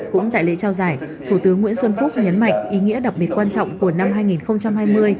cũng tại lễ trao giải thủ tướng nguyễn xuân phúc nhấn mạnh ý nghĩa đặc biệt quan trọng của năm hai nghìn hai mươi